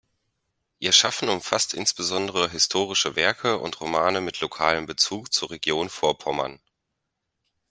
Ihr Schaffen umfasst insbesondere historische Werke und Romane mit lokalem Bezug zur Region Vorpommern.